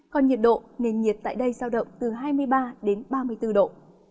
còn nhiệt độ nền nhiệt tại đây giao động từ hai mươi ba đến ba mươi bốn độ